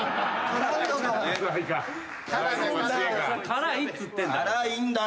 辛いっつってんだ。